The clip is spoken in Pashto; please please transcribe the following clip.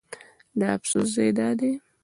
د افسوس ځای دا دی.